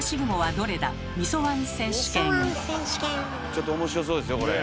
ちょっと面白そうですよこれ。